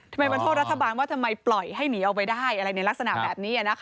มาโทษรัฐบาลว่าทำไมปล่อยให้หนีออกไปได้อะไรในลักษณะแบบนี้